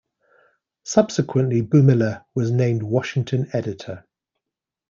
Subsequently, Bumiller was named Washington editor.